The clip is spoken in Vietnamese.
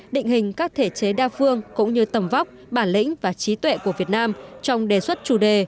định hình các thể chế đa phương cũng như tầm vóc bản lĩnh và trí tuệ của việt nam trong đề xuất chủ đề